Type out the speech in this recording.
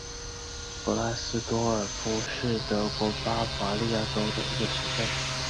弗拉斯多尔夫是德国巴伐利亚州的一个市镇。